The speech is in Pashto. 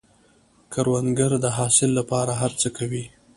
کروندګر د حاصل له پاره هر څه کوي